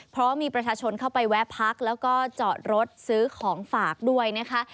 เพราะมีประชาชนเข้าไปแวะพักแล้วก็จอดรถซื้อของฝากด้วยนะคะ